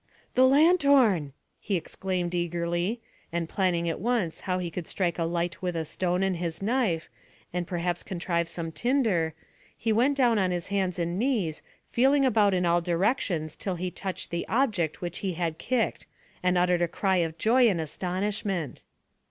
"The lanthorn!" he exclaimed eagerly, and planning at once how he could strike a light with a stone and his knife, and perhaps contrive some tinder, he went down on his hands and knees, feeling about in all directions till he touched the object which he had kicked, and uttered a cry of joy and excitement.